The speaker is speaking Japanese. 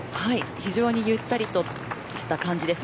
非常にゆったりとした感じですね。